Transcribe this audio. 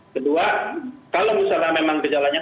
kedua kalau misalnya memang gejalanya